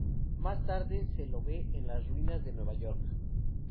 Más tarde, se lo ve en las ruinas de Nueva York.